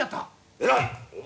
偉い。